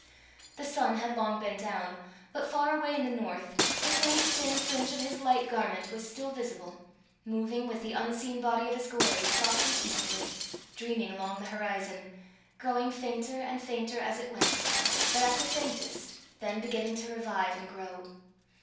The sun had long been down; but far away in the north, the faint thin fringe of his light garment was still visible, moving with the unseen body of his glory softly eastward, dreaming along the horizon, growing fainter and fainter as it went, but at the faintest then beginning to revive and grow.